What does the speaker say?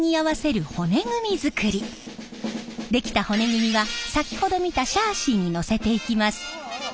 出来た骨組みは先ほど見たシャーシーにのせていきます。